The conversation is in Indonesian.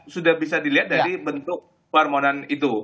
sudah bisa dilihat dari bentuk permohonan itu